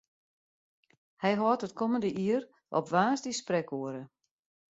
Hy hâldt it kommende jier op woansdei sprekoere.